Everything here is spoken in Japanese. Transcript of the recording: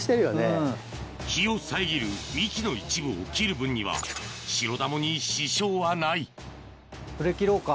陽を遮る幹の一部を切る分にはシロダモに支障はないそれ切ろうか。